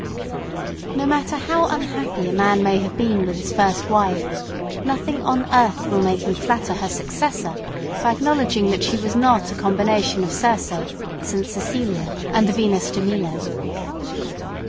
No matter how unhappy a man may have been with his first wife nothing on earth will make him flatter her successor by acknowledging that she was not a combination of Circe, St. Cecilia and the Venus di Milo.